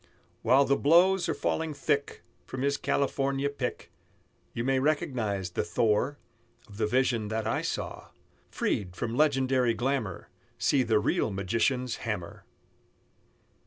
While the blows are falling thick From his California pick, You may recognize the Thor Of the vision that I saw, Freed from legendary glamour, See the real magician's hammer.